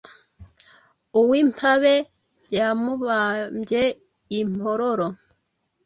uw’impabe yamubambye i mpororo,